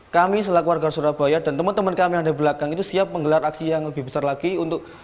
kami selaku warga surabaya dan teman teman kami yang ada di belakang itu siap menggelar aksi yang lebih besar lagi untuk